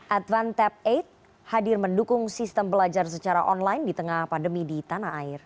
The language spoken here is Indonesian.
advan tap delapan hadir mendukung sistem belajar secara online di tengah pandemi di tanah air